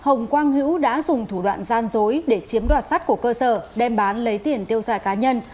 hồng quang hữu đã dùng thủ đoạn gian dối để chiếm đoạt sắt của cơ sở đem bán lấy tiền tiêu xài cá nhân